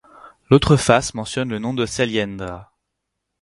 L'autre face mentionne le nom de Sailendra.